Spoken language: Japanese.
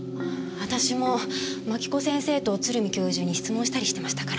私も槙子先生と鶴見教授に質問したりしてましたから。